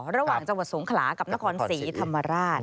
ระหว่างจังหวัดสงขลากับนครศรีธรรมราช